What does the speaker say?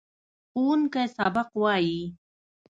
ښوونکی سبق وايي.